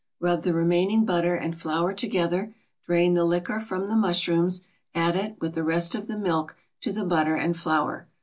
Rub the remaining butter and flour together; drain the liquor from the mushrooms, add it, with the rest of the milk, to the butter and flour.